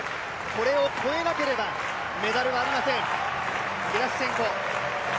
これを越えなければメダルはありません。